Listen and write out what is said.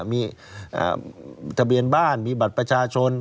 มีทะเบียนบ้านมีบัตรประชาชน